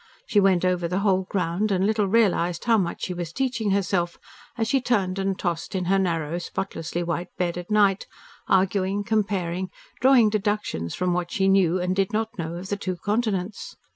She went over the whole ground and little realised how much she was teaching herself as she turned and tossed in her narrow, spotlessly white bed at night, arguing, comparing, drawing deductions from what she knew and did not know of the two continents.